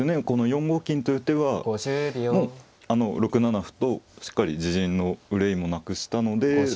この４五金という手はもう６七歩としっかり自陣の憂いもなくしたので。